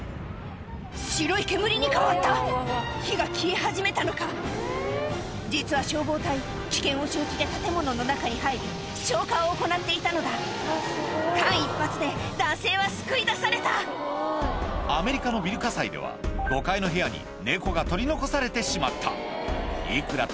白い煙に変わった火が消え始めたのか実は消防隊危険を承知で建物の中に入り消火を行っていたのだ間一髪で男性は救い出されたアメリカのビル火災では５階の部屋に猫が取り残されてしまったいくら